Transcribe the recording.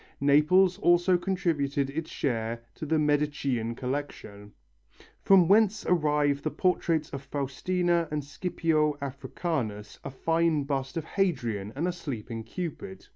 Naples also contributed its share to the Medicean collection, from whence arrive the portraits of Faustina and Scipio Africanus, a fine bust of Hadrian and a sleeping Cupid.